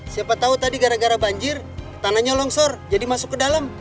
siapa tahu tadi gara gara banjir tanahnya longsor jadi masuk ke dalam